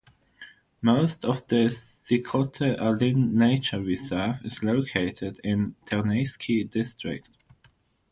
Most of the Sikhote-Alin Nature Reserve is located in Terneysky District.